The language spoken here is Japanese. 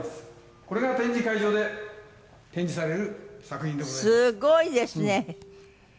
「これが展示会場で展示される作品でございます」